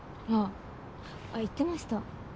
あ言ってました。